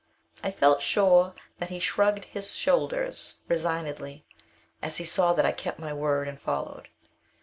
I felt sure that he shrugged his shoulders resignedly, as he saw that I kept my word, and followed.